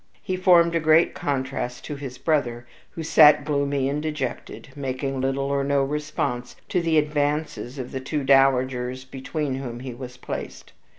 He formed a great contrast to his brother, who sat gloomy and dejected, making little or no response to the advances of the two dowagers between whom he was placed.